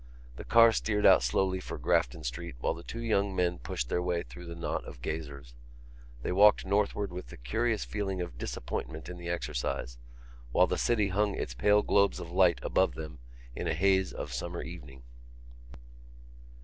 The car steered out slowly for Grafton Street while the two young men pushed their way through the knot of gazers. They walked northward with a curious feeling of disappointment in the exercise, while the city hung its pale globes of light above them in a haze of summer evening.